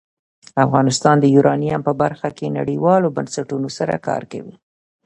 افغانستان د یورانیم په برخه کې نړیوالو بنسټونو سره کار کوي.